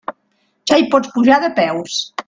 Ja hi pots pujar de peus.